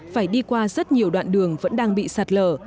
phải đi qua rất nhiều đoạn đường vẫn đang bị sạt lở